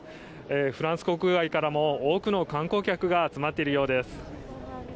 フランス国外からも多くの観光客が集まっているようです。